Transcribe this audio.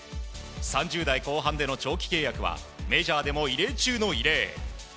３０代後半での長期契約はメジャーでも異例中の異例。